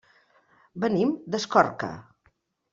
Venim d'Escorca.